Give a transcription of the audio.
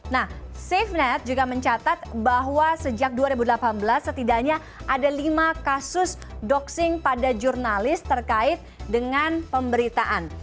nah safenet juga mencatat bahwa sejak dua ribu delapan belas setidaknya ada lima kasus doxing pada jurnalis terkait dengan pemberitaan